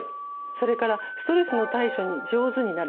それからストレスの対処に上手になる。